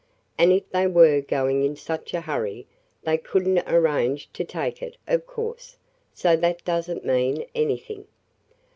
And if they were going in such a hurry, they could n't arrange to take it, of course. So that does n't mean anything."